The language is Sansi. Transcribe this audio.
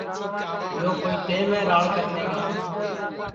یو کوئی ٹیم ہے راڑ کرنے کا